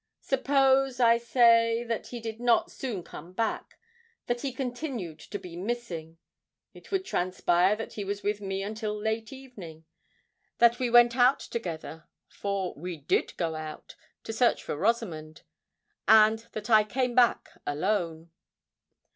Suppose, I say, that he did not soon come back—that he continued to be missing,——it would transpire that he was with me until late last evening—that we went out together,—for we did go out, to search for Rosamond,—and that I came back alone."